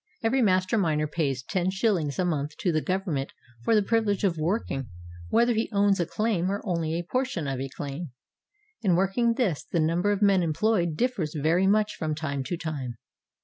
Every master miner pays lOi . a month to the Government for the privilege of working, whether he 453 SOUTH AFRICA own a claim or only a portion of a claim. In working this the number of men employed differs very much from time to time.